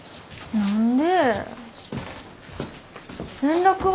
何で？